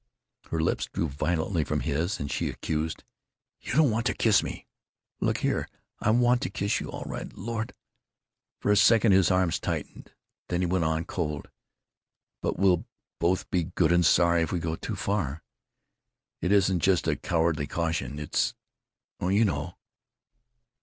Her lips drew violently from his, and she accused, "You don't want to kiss me!" "Look here; I want to kiss you, all right—Lord——" For a second his arms tightened; then he went on, cold: "But we'll both be good and sorry if we go too far. It isn't just a cowardly caution. It's——Oh, you know."